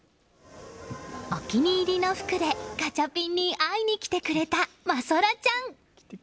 お気に入りの服でガチャピンに会いに来てくれた真空ちゃん。